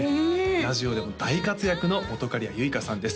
ラジオでも大活躍の本仮屋ユイカさんです